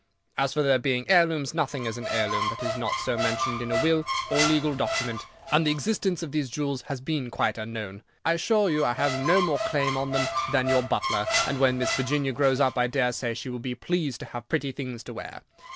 As for their being heirlooms, nothing is an heirloom that is not so mentioned in a will or legal document, and the existence of these jewels has been quite unknown. I assure you I have no more claim on them than your butler, and when Miss Virginia grows up, I dare say she will be pleased to have pretty things to wear.